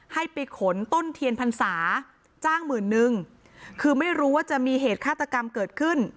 ให้ไปขนต้นเทียนพรรษาจ้างหมื่นนึงคือไม่รู้ว่าจะมีเหตุฆาตกรรมเกิดขึ้น